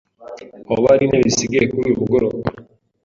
Hoba hari intebe zisigaye kuri uyu mugoroba?